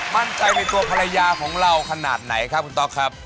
มั่นใจในตัวภรรยาของเราขนาดไหนครับคุณต๊อกครับ